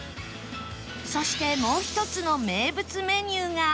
そしてもう１つの名物メニューが